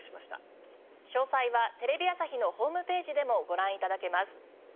詳細はテレビ朝日のホームページでもご覧頂けます。